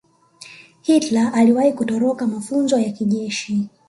hitler aliwahi kutoroka mafunzo ya kijeshi